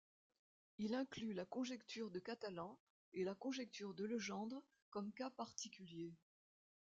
Il inclut la conjecture de Catalan et la conjecture de Legendre comme cas particulier.